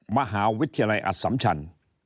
มหาวิทยาลัยอสัมชัน